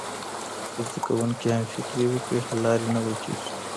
که زده کوونکي همفکري وکړي، حل لارې نه ورکېږي.